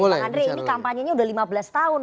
pak andri ini kampanye nya sudah lima belas tahun